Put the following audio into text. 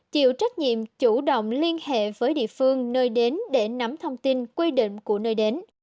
chịu trách nhiệm chủ động liên hệ với địa phương nơi đến để nắm thông tin quy định của nơi đến